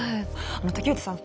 竹内さん